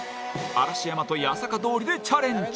嵐山と八坂通りでチャレンジ。